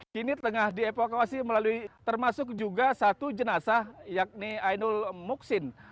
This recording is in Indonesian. kini tengah dievakuasi melalui termasuk juga satu jenazah yakni ainul muksin